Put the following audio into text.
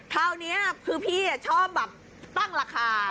คราวนี้คือพี่ชอบแบบตั้งราคา